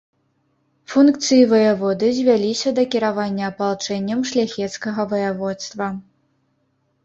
Функцыі ваяводы звяліся да кіравання апалчэннем шляхецкага ваяводства.